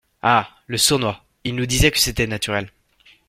Ah ! le sournois, il nous disait que c’était naturel !…